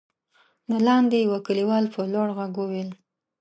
له لاندې يوه کليوال په لوړ غږ وويل: